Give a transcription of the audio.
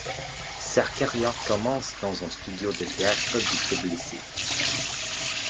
Sa carrière commence dans un studio de théâtre de Tbilissi.